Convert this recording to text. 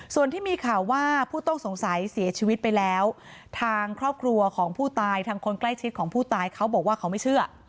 ส่วนที่มีข่าวว่าผู้ต้องสงสัยเสียชีวิตไปแล้วทางครอบครัวของผู้ตายทางคนใกล้ชิดของผู้ตายเขาบอกว่าเขาไม่เชื่อ